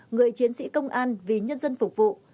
người chiến sĩ công an vì nhân dân phục vụ